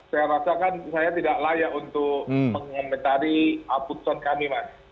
saya rasa kan saya tidak layak untuk mengomentari putusan kami mas